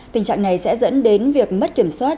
tình trạng này sẽ dẫn đến việc mất kiểm soát